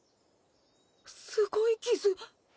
すごい傷。